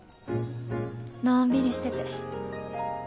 のんびりしてて。